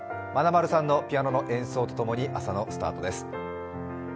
まなまるさんのピアノの演奏とともに朝のスタートです。